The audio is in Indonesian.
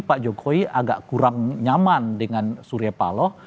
pak jokowi agak kurang nyaman dengan surya paloh